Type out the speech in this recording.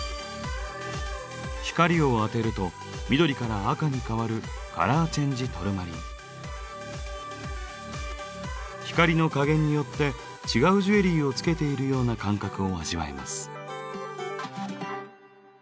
光を当てると緑から赤に変わる光の加減によって違うジュエリーをつけているような感覚を味わえます。